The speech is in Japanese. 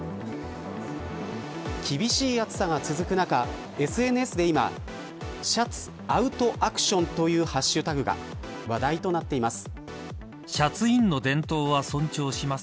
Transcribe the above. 厳しい暑さが続く中ＳＮＳで今シャツアウトアクションというハッシュタグが話題となっています。